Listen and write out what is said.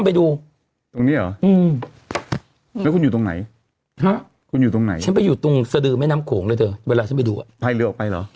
อีกแก่งเอาโขงนี้ไอ้เธอ